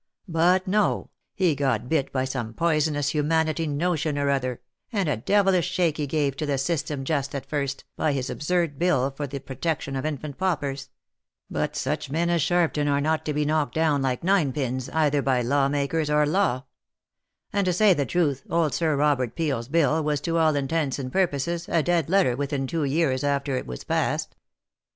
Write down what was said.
But no, he got bit by some poisonous humanity notion or other, and a devilish shake he gave to the system just at first, by his absurd bill for the protection of infant paupers ; but such men as Sharpton are not to be knocked down like ninepins, either by law makers, or law; and to say the truth, old Sir Robert Peel's bill was to all intents and purposes a dead letter within two years after it was passed.